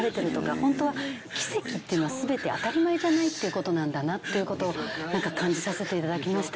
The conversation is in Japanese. ホントは奇跡っていうのは全て当たり前じゃないってことなんだってことを感じさせていただきました。